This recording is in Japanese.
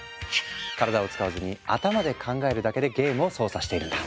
体を使わずに頭で考えるだけでゲームを操作しているんだ。